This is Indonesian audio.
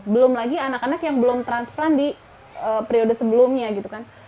belum lagi anak anak yang belum transplant di periode sebelumnya